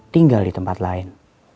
tinggal di tempat lain